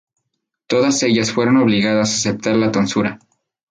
Todas ellas fueron obligadas a aceptar la tonsura.